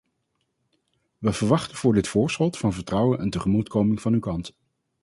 We verwachten voor dit voorschot van vertrouwen een tegemoetkoming van uw kant.